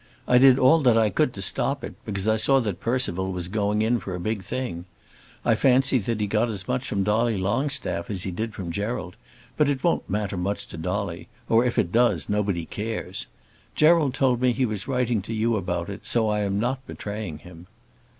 I did all that I could to stop it, because I saw that Percival was going in for a big thing. I fancy that he got as much from Dolly Longstaff as he did from Gerald; but it won't matter much to Dolly; or if it does, nobody cares. Gerald told me he was writing to you about it, so I am not betraying him.